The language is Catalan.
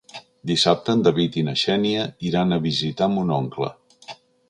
Dissabte en David i na Xènia iran a visitar mon oncle.